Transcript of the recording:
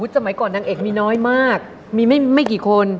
สมัยก่อนนางเอกมีน้อยมากมีไม่กี่คน